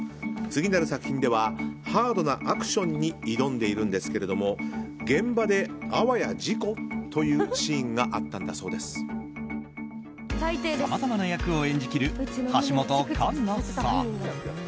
次なる作品ではハードなアクションに挑んでいるんですけれども現場で、あわや事故？というさまざまな役を演じきる橋本環奈さん。